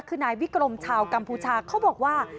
คือนายวิกรมชาวกัมพูชาเขาบอกว่า